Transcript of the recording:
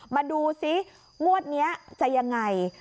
มาดูซิงวดนี้จะยังไง